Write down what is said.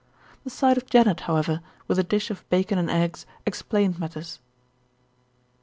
The sight of Janet, how ever, with a dish of bacon and eggs explained matters.